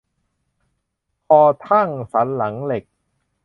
คอทั่งสันหลังเหล็ก